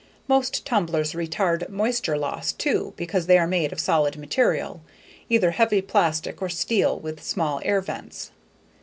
Most tumblers retard moisture loss too because they are made of solid material, either heavy plastic or steel with small air vents.